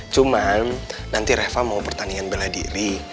cuman nanti reva mau pertandingan bela diri